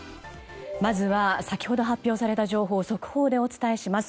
まずは先ほど発表された情報を速報でお伝えします。